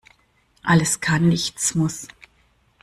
Alles kann, nichts muss.